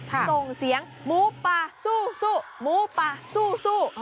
โด่งเสียงมูปาซู่